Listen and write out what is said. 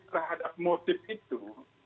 terhadap motif itu